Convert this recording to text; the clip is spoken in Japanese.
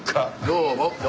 どうも。